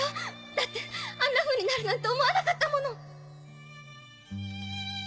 だってあんなふうになるなんて思わなかったもの！